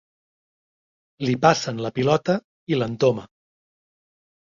Li passen la pilota i l'entoma.